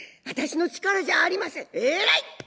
「偉い。